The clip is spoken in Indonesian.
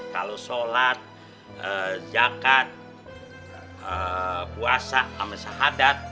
kalau sholat jakat puasa amrishadat